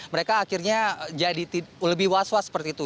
mereka akhirnya jadi lebih was was seperti itu